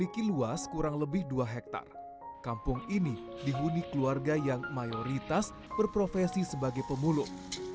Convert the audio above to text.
kisah hidup anak anak pemuluh